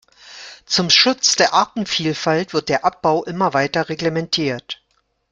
Zum Schutz der Artenvielfalt wird der Abbau immer weiter reglementiert.